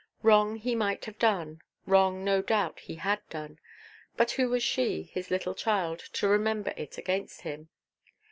Wrong he might have done, wrong (no doubt) he had done; but who was she, his little child, to remember it against him?